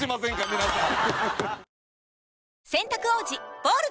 皆さん。